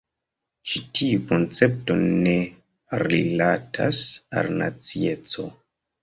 Ĉi tiu koncepto ne rilatas al nacieco.